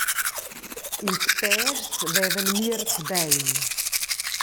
Ils pèschs vevan miers bein.